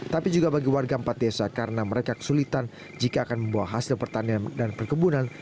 tapi juga bagi warga empat desa karena mereka kesulitan jika akan membawa hasil pertanian dan perkebunan